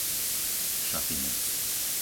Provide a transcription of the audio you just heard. Šapinec